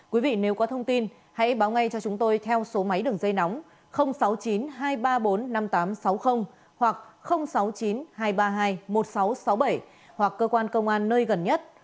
quý vị nếu có thông tin hãy báo ngay cho chúng tôi theo số máy đường dây nóng sáu mươi chín hai trăm ba mươi bốn năm nghìn tám trăm sáu mươi hoặc sáu mươi chín hai trăm ba mươi hai một nghìn sáu trăm sáu mươi bảy hoặc cơ quan công an nơi gần nhất